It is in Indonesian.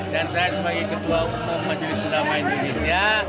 dan saya sebagai ketua umum majulis ulama indonesia